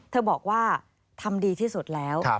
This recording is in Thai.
เธอบอกว่าทำดีที่สุดแล้ว